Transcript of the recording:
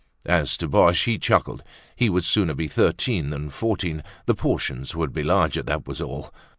As to Boche, he chuckled. He would sooner be thirteen than fourteen; the portions would be larger, that was all.